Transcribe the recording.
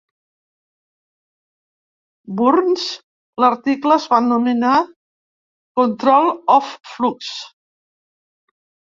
Burns, l'article es va anomenar Control of Flux.